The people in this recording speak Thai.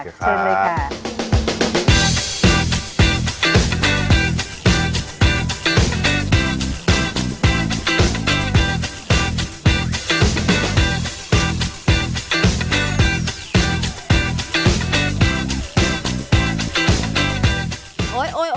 เชิญเลยค่ะ